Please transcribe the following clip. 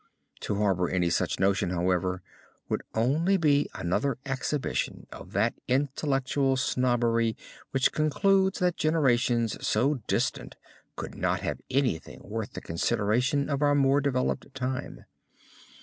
To harbor any such notion, however, would only be another exhibition of that intellectual snobbery which concludes that generations so distant could not have anything worth the consideration of our more developed time.